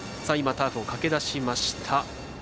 ターフをかけだしました。